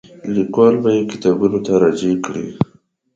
لیکوال به یې کتابونو ته راجع کړي.